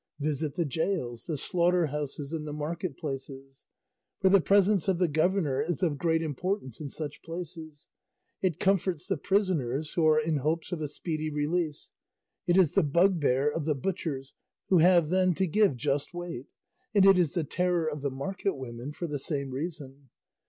Visit the gaols, the slaughter houses, and the market places; for the presence of the governor is of great importance in such places; it comforts the prisoners who are in hopes of a speedy release, it is the bugbear of the butchers who have then to give just weight, and it is the terror of the market women for the same reason.